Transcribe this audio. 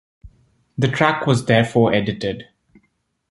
The track was therefore edited.